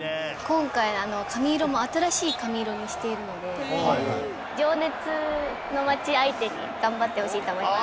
今回髪色も新しい髪色にしているので情熱の街相手に頑張ってほしいと思います。